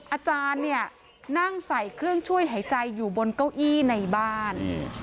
อาจารย์เนี่ยนั่งใส่เครื่องช่วยหายใจอยู่บนเก้าอี้ในบ้าน